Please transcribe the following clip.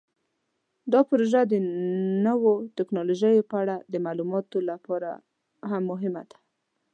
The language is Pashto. دا پروژه د نوو تکنالوژیو په اړه د معلوماتو لپاره هم مهمه ده.